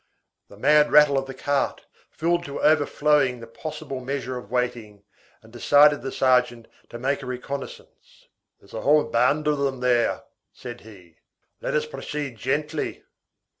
The mad rattle of the cart, filled to overflowing the possible measure of waiting, and decided the sergeant to make a reconnaisance. "There's a whole band of them there!" said he, "let us proceed gently."